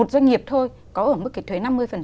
một doanh nghiệp thôi có ở mức cái thuế năm mươi